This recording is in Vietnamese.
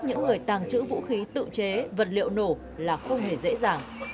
những người tàng trữ vũ khí tự chế vật liệu nổ là không hề dễ dàng